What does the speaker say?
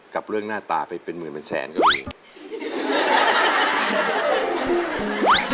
กับเรื่องหน้าตาไปเป็นหมื่นเป็นแสนก็มี